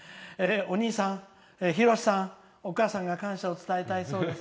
お兄さんひろしさん、お母さんが感謝を伝えたいそうです。